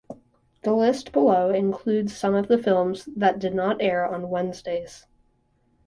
The list below includes some of the films that did not air on Wednesdays.